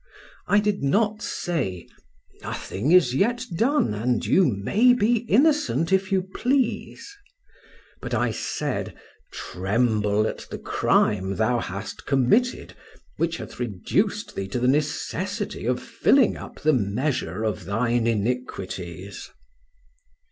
I did not say, nothing is yet done, and you may be innocent if you please; but I said, tremble at the crime thou hast committed, which hath reduced thee to the necessity of filling up the measure of thine iniquities.